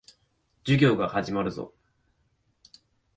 授業が始まるぞ。